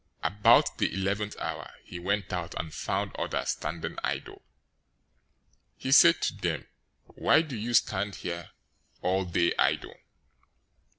020:006 About the eleventh hour{5:00 PM} he went out, and found others standing idle. He said to them, 'Why do you stand here all day idle?'